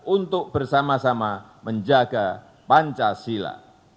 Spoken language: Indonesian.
untuk bersama sama menjaga pancasila